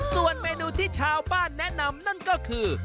ส่วนเมนูที่ชาวบ้านแนะนำนั่นก็คือ